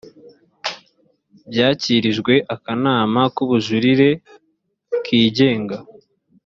byakirijwe akanama k’ubujurire kigenga